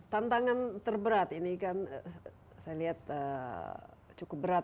tantangan terberat ini kan saya lihat cukup berat